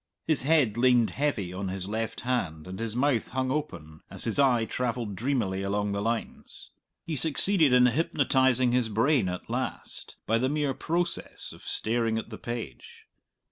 His head leaned heavy on his left hand and his mouth hung open, as his eye travelled dreamily along the lines. He succeeded in hypnotizing his brain at last, by the mere process of staring at the page.